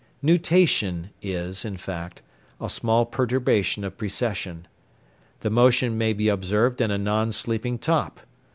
"Nutation" is, in fact, a small perturbation of precession. The motion may be observed in a non sleeping top.